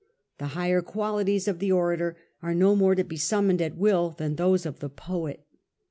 The higher qualities of the orator are no more to be summoned at will than those of the poet.